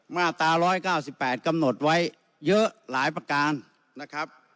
มาตรา๑๙๘กำหนดไว้เยอะหลายประการนะครับ